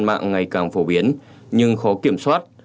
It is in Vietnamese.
không gian mạng ngày càng phổ biến nhưng khó kiểm soát